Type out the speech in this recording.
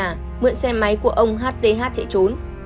và lấy xe máy của ông hth chạy trốn